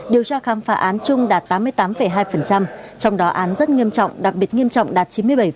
điều tra khám phá án chung đạt tám mươi tám hai trong đó án rất nghiêm trọng đặc biệt nghiêm trọng đạt chín mươi bảy